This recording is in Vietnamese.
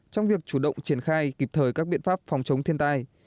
trong việc chủ động triển khai kịp thời các biện pháp phòng chống thiên tai